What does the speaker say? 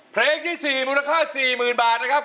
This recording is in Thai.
เพลงที่๔มูลค่า๔๐๐๐บาทนะครับ